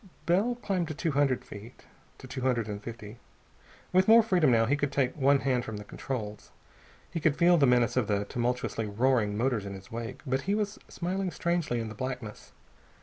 Bell climbed to two hundred feet. To two hundred and fifty. With more freedom, now, he could take one hand from the controls. He could feel the menace of the tumultuously roaring motors in his wake, but he was smiling very strangely in the blackness.